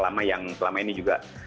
lama yang selama ini juga